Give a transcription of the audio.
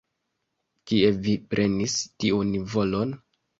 Kie vi prenis tiun volon?